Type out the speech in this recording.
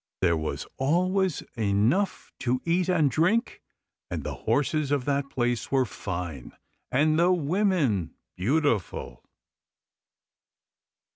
There was always enough there to eat and drink, and the horses of that place were fine and the women beautiful.